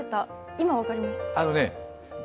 今分かりました？